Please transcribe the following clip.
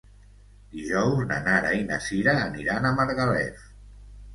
Dijous na Nara i na Sira aniran a Margalef.